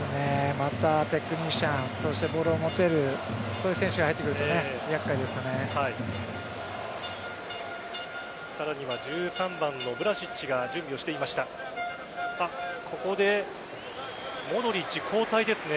またテクニシャンそしてボールを持てる選手が入ってくると厄介ですよね。